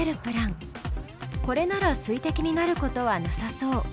これならすいてきになることはなさそう。